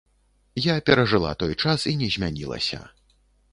Я перажыла той час і не змянілася.